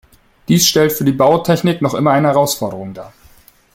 Dies stellt für die Bautechnik noch immer eine Herausforderung dar.